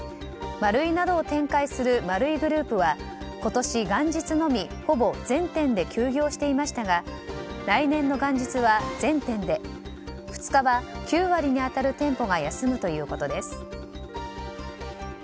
マルイなどを展開する丸井グループは今年、元日のみほぼ全店で休業していましたが来年の元日は全店で２日は９割に当たる店舗が休むということです。